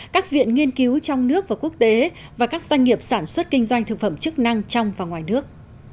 các viện nghiên cứu trong nước và quốc tế và các doanh nghiệp sản xuất kinh doanh thực phẩm chức năng trong và ngoài nước